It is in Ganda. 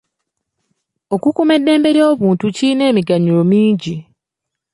Okukuuma eddembe ly'obuntu kirina emiganyulo mingi.